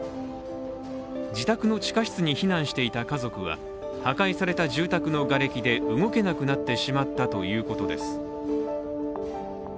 自宅の地下室に避難していた家族は、破壊された住宅のがれきで動けなくなってしまったということです。